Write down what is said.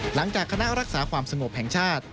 หลังจากคณะรักษาความสงบแห่งชาติ